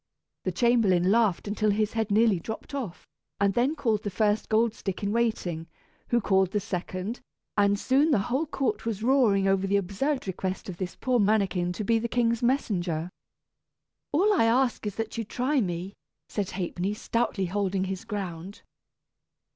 The chamberlain laughed until his head nearly dropped off, and then called the first Goldstick in waiting, who called the second, and soon the whole court was roaring over the absurd request of this poor mannikin to be the king's messenger. "All I ask is that you try me," said Ha'penny, stoutly holding his ground.